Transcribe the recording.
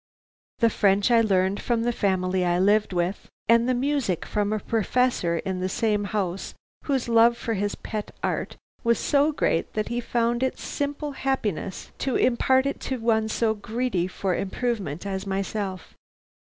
The French I learned from the family I lived with, and the music from a professor in the same house whose love for his pet art was so great that he found it simple happiness to impart it to one so greedy for improvement as myself.